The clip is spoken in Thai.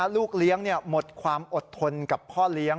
ลูกเลี้ยงหมดความอดทนกับพ่อเลี้ยง